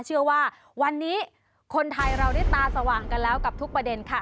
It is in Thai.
เชื่อว่าวันนี้คนไทยเราได้ตาสว่างกันแล้วกับทุกประเด็นค่ะ